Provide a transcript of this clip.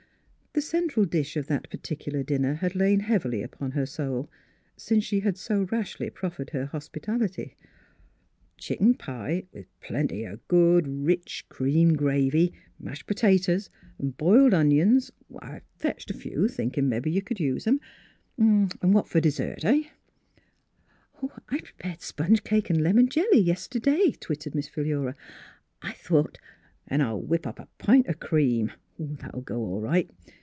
The central dish of that particu lar dinner had lain heavily upon her soul, since she had so rashly proffered her hos pitality. " Chicken pie with plenty o' good, rich cream gravy, mashed p'tatoes, biled onions — I fetched a few, thinkin' mebbe Mdss Fhilura's Wedding Gown you c'd use 'em. An' what fer dessert — heh?" " I prepared sponge cake and lemon jelly, yesterday," twittered Miss Philura, " I thought —"" An' I'll whip up a pint o' cream — that'll go all right.